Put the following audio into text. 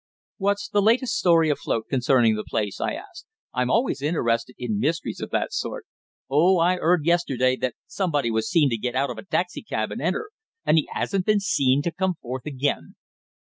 "What's the latest story afloat concerning the place?" I asked. "I'm always interested in mysteries of that sort." "Oh, I 'eard yesterday that somebody was seen to get out of a taxi cab and enter. And 'e 'asn't been seen to come forth again."